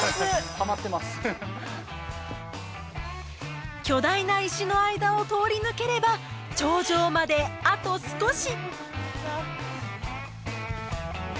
ハハ巨大な石の間を通り抜ければ頂上まであと少し！